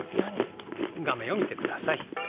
画面を見てください。